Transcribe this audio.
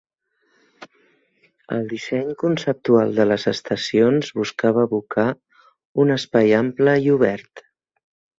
El disseny conceptual de les estacions buscava evocar un espai ample i obert.